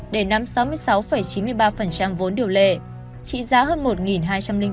để nắm sáu mươi sáu chín mươi ba vốn điều lệ trị giá hơn một hai trăm linh bốn tỷ đồng